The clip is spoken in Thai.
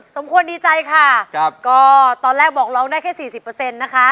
สมควรดีใจค่ะครับก็ตอนแรกบอกร้องได้แค่สี่สิบเปอร์เซ็นต์นะคะ